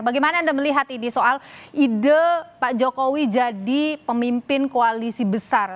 bagaimana anda melihat ini soal ide pak jokowi jadi pemimpin koalisi besar